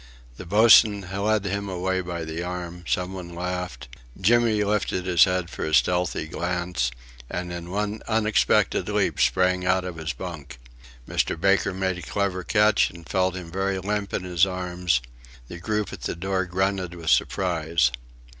The boatswain led him away by the arm; some one laughed; Jimmy lifted his head for a stealthy glance, and in one unexpected leap sprang out of his bunk; Mr. Baker made a clever catch and felt him very limp in his arms; the group at the door grunted with surprise.